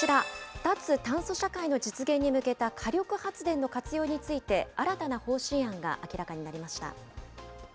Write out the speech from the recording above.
脱炭素社会の実現に向けた火力発電の活用について、新たな方針案が明らかになりました。